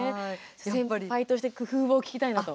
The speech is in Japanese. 先輩として工夫を聞きたいなと。